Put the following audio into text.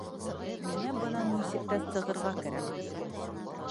Миңә бынан нисек тә сығырға кәрәк.